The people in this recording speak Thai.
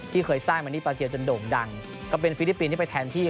เคยสร้างมานี่ปาเกียวจนโด่งดังก็เป็นฟิลิปปินส์ที่ไปแทนที่